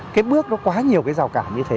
cái bước nó quá nhiều cái rào cản như thế